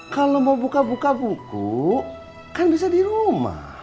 kalau mau buka buka buku kan bisa di rumah